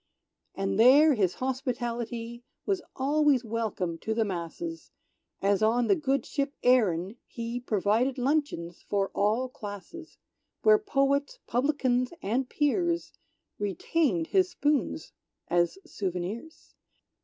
And there his hospitality Was always welcome to the masses; As on the good ship "Erin" he Provided luncheons for all classes; Where poets, publicans and peers, Retained his spoons as souvenirs.